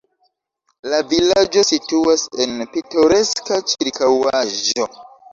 La vilaĝo situas en pitoreska ĉirkaŭaĵo.